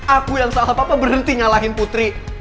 aku yang salah papa berhenti nyalahin putri